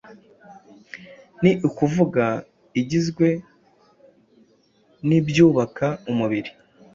ni ukuvuga igizwe n’ibyubaka umubiri,